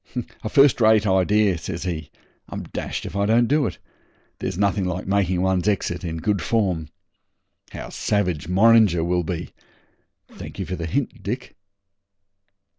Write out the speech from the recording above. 'A first rate idea,' says he. 'I'm dashed if I don't do it. There's nothing like making one's exit in good form. How savage Morringer will be! Thank you for the hint, Dick.'